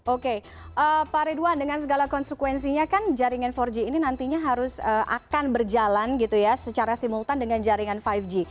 oke pak ridwan dengan segala konsekuensinya kan jaringan empat g ini nantinya harus akan berjalan gitu ya secara simultan dengan jaringan lima g